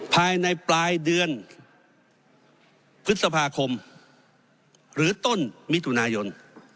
ภายในปลายเดือนพฤษภาคมหรือต้นมิถุนายน